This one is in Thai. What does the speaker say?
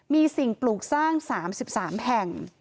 มีสิ่งปลูกสร้าง๓๓แห่ง